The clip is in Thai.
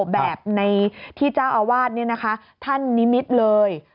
แบบในที่เจ้าอาวาสท่านนิมิตรเลย